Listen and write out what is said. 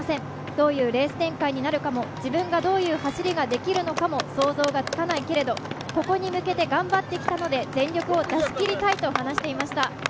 どういうレース展開になるかも自分がどういう走りができるのかも想像ができないけれどここに向けて頑張ってきたので全力を出しきりたいと話していました。